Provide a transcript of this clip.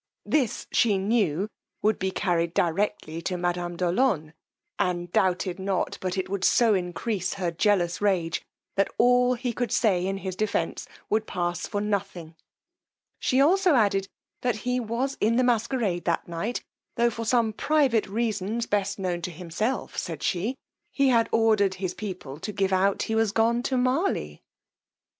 This she knew would be carried directly to madame de Olonne, and doubted not but it would so increase her jealous rage, that all he could say in his defence would pass for nothing: she also added, that he was in the masquerade that night, tho' for some private reasons best known to himself, said she, he had ordered his people to give out he was gone to Marli.